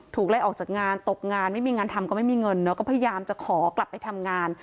ไล่ออกจากงานตกงานไม่มีงานทำก็ไม่มีเงินเนอะก็พยายามจะขอกลับไปทำงาน